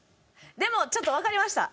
でもちょっとわかりました。